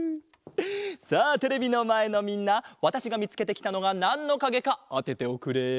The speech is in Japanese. さあテレビのまえのみんなわたしがみつけてきたのがなんのかげかあてておくれ。